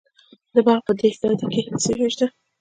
د بلخ په دهدادي کې څه شی شته؟